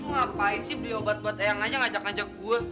lu ngapain sih beli obat buat eyang aja ngajak ngajak gua